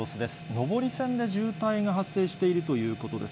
上り線で渋滞が発生しているということです。